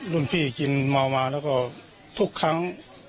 รุ่นพี่กินเมามาแล้วก็ทุกครั้ง